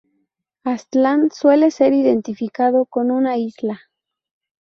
Aztlán suele ser identificado con una isla.